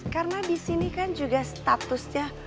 karena disini kan juga statusnya